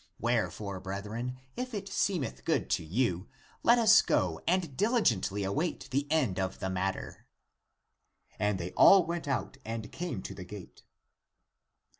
Wherefore, brethren, if it seemeth good to you, let us go and diligently await the end of the matter." And they all went out and came to the gate.